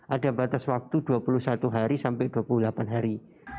ada batas waktu dua puluh satu hari sampai dua puluh delapan hari